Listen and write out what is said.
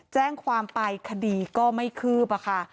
แจ้งความไปคดีก็ไม่คืบค่ะ